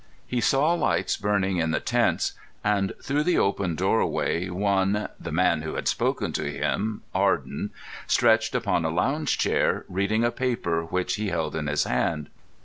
He saw lights burning in the tents, and, through the open doorway one, the man who had spoken to him, Arden, stretched upon a lounge chair, reading a paper which he held in his hand.